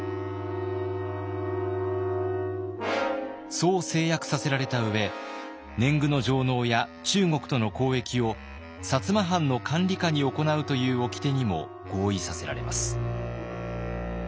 そう誓約させられた上年貢の上納や中国との交易を摩藩の管理下に行うというおきてにも合意させられます。